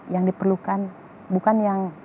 yang diperlukan bukan yang